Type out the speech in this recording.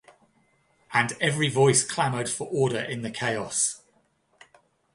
And every voice clamoured for order in the chaos.